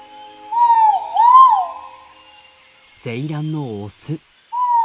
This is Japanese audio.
セイランのオス。